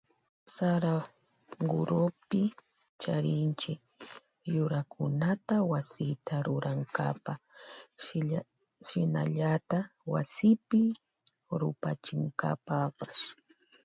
Saraguropi charinchi yurakunata wasita rurankapa shinallata wasipi rupachinkapapash.